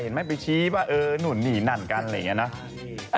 เห็นไหมไปชี้ว่าเออหนุ่นนี่หนั่นกันอะไรอย่างนี้นะ